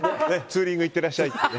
ツーリングいってらっしゃい。